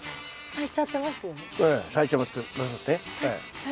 はい。